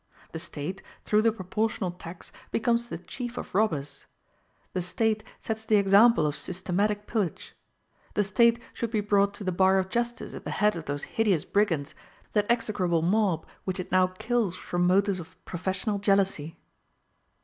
The State, through the proportional tax, becomes the chief of robbers; the State sets the example of systematic pillage: the State should be brought to the bar of justice at the head of those hideous brigands, that execrable mob which it now kills from motives of professional jealousy.